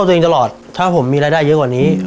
ตัวเองตลอดถ้าผมมีรายได้เยอะกว่านี้